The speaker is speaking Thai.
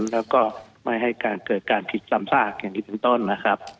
แล้วก็ไม่ให้การเกิดการผิดซ้ำซากอย่างที่เป็นต้นนะครับ